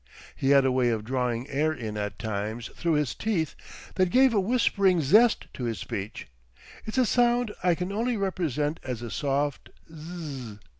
He had a way of drawing air in at times through his teeth that gave a whispering zest to his speech It's a sound I can only represent as a soft Zzzz.